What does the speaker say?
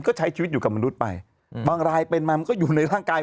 ก็ใช้ชีวิตอยู่กับมนุษย์ไปบางรายเป็นมามันก็อยู่ในร่างกาย